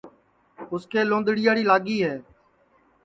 اُس کے لونٚدڑیاڑی لاگی ہے